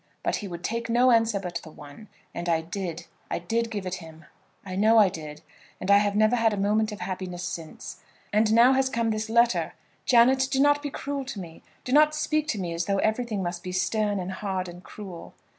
But he would take no answer but the one; and I did I did give it him. I know I did; and I have never had a moment of happiness since. And now has come this letter. Janet, do not be cruel to me. Do not speak to me as though everything must be stern and hard and cruel."